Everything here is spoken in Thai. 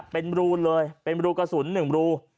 เป็นรูเลยเป็นรูกระสุน๑รู